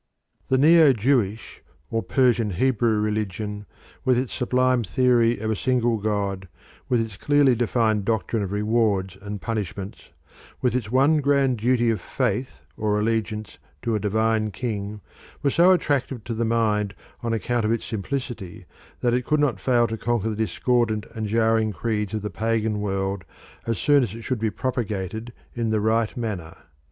The Neo Jewish or Persian Hebrew religion, with its sublime theory of a single god, with its clearly defined doctrine of rewards and punishments, with its one grand duty of faith or allegiance to a divine king, was so attractive to the mind on account of its simplicity that it could not fail to conquer the discordant and jarring creeds of the pagan world as soon as it should be propagated in the right manner.